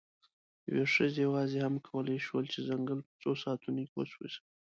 یوې ښځې یواځې هم کولی شول، چې ځنګل په څو ساعتونو کې وسوځوي.